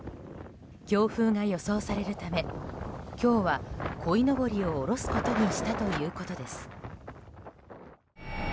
強風が予想されるため今日は、こいのぼりを下ろすことにしたということです。